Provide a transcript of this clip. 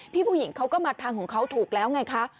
ผู้หญิงเขาก็มาทางของเขาถูกแล้วไงคะ